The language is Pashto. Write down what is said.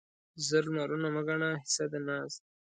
زر لمرونه مه ګڼه حصه د ناز